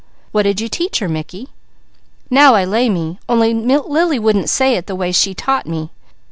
"What did you teach her, Mickey?" "'Now I lay me,' only Lily wouldn't say it the way She taught me.